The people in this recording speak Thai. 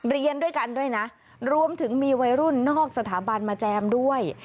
เรียนด้วยกันด้วยนะรวมถึงมีวัยรุ่นนอกสถาบันมาแจมด้วย